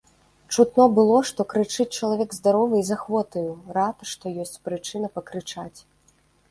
Чутно было, што крычыць чалавек здаровы і з ахвотаю, рад, што ёсць прычына пакрычаць.